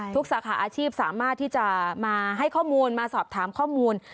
สาขาอาชีพสามารถที่จะมาให้ข้อมูลมาสอบถามข้อมูล